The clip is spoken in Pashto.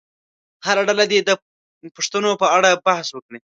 هره ډله دې د پوښتنو په اړه بحث وکړي.